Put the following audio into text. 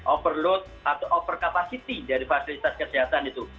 overload atau overkapasiti dari fasilitas kesehatan itu